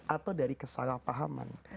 atau dari kesalahpahaman